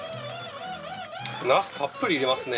なすたっぷり入れますね。